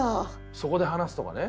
そこで話すとかね。